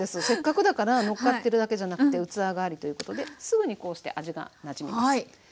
せっかくだからのっかってるだけじゃなくて器代わりということですぐにこうして味がなじみます。